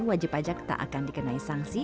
wajib pajak tak akan dikenai sanksi